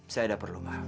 saya ada perlu ma